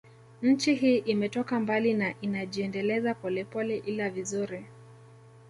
Nchi hii imetoka mbali na inajiendeleza polepole ila vizuri